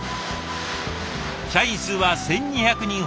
社員数は１，２００人ほど。